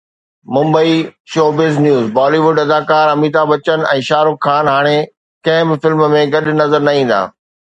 Mumbai (showbiz news) Bollywood اداڪار اميتاڀ بچن ۽ شاهه رخ خان هاڻي ڪنهن به فلم ۾ گڏ نظر نه ايندا.